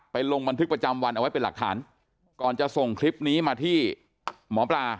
ลงบันทึกประจำวันเอาไว้เป็นหลักฐานก่อนจะส่งคลิปนี้มาที่หมอปลา